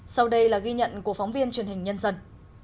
sau đây là ghi nhận của phóng viên truyền hình nhân dân